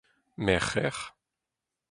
Merc'her